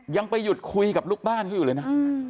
ยังไปหยุดคุยกับลูกบ้านเขาอยู่เลยนะ